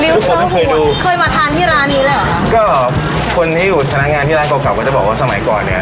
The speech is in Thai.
ริ๋วเต๋อหัวเคยมาทานที่ร้านนี้แล้วเหรอค่ะก็คนที่อยู่ทางงานที่ร้านเกาะเกาะก็จะบอกว่าสมัยก่อนเนี้ย